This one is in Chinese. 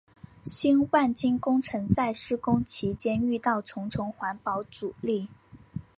新万金工程在施工期间遇到重重环保阻力。